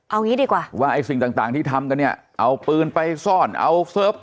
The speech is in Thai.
เอางี้ดีกว่าว่าไอ้สิ่งต่างที่ทำกันเนี่ยเอาปืนไปซ่อนเอาเฟิร์ฟ